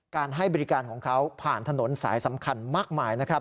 ให้บริการของเขาผ่านถนนสายสำคัญมากมายนะครับ